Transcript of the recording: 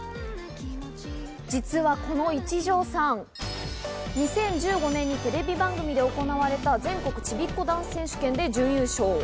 実はこの一条さん、２０１５年にテレビ番組で行われた全国ちびっこダンス選手権で準優勝。